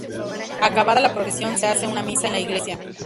Acabada la procesión se hace una misa en la iglesia.